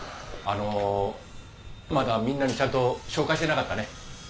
あのまだみんなにちゃんと紹介してなかったね。